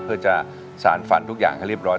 เพื่อจะสารฝันทุกอย่างให้เรียบร้อย